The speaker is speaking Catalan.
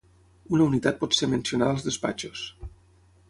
Una unitat pot ser mencionada als Despatxos.